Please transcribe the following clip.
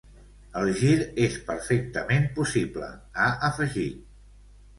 El gir és perfectament possible, ha afegit.